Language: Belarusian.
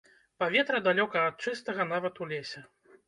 Паветра далёка ад чыстага нават у лесе.